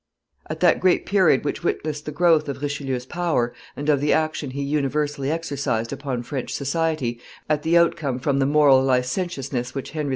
At that great period which witnessed the growth of Richelieu's power, and of the action he universally exercised upon French society, at the outcome from the moral licentiousness which Henry IV.